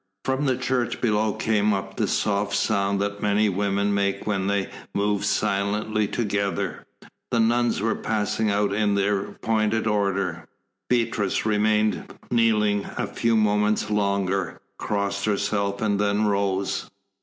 From the church below came up the soft sound that many women make when they move silently together. The nuns were passing out in their appointed order. Beatrice remained kneeling a few moments longer, crossed herself and then rose.